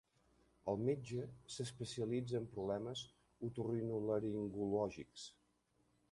El metge s'especialitza en problemes otorrinolaringològics.